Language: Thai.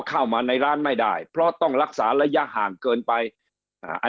เข้ามาในร้านไม่ได้เพราะต้องรักษาระยะห่างเกินไปอ่าอัน